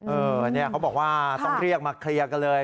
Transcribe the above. เออเนี่ยเขาบอกว่าต้องเรียกมาเคลียร์กันเลย